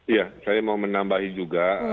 iya saya mau menambahi juga